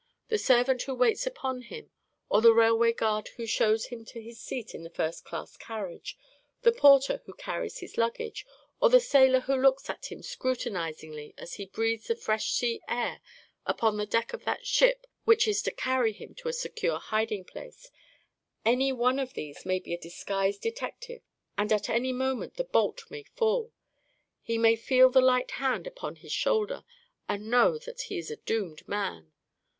The servant who waits upon him, or the railway guard who shows him to his seat in the first class carriage, the porter who carries his luggage, or the sailor who looks at him scrutinizingly as he breathes the fresh sea air upon the deck of that ship which is to carry him to a secure hiding place—any one of these may be a disguised detective, and at any moment the bolt may fall; he may feel the light hand upon his shoulder, and know that he is a doomed man.